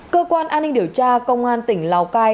cơ quan an ninh điều tra công an tỉnh lào cai